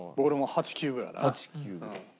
８９。